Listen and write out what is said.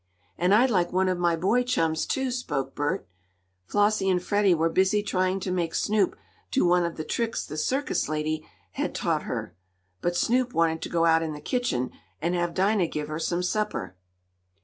"And I'd like one of my boy chums, too," spoke Bert. Flossie and Freddie were busy trying to make Snoop do one of the tricks the circus lady had taught her. But Snoop wanted to go out in the kitchen, and have Dinah give her some supper.